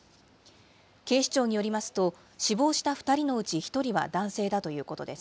警視庁によりますと、死亡した２人のうち１人は男性だということです。